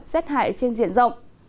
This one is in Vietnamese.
rét hại trên diện rộng